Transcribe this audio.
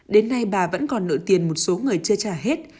đến nay bà vẫn còn nợ tiền một số người chưa trả hết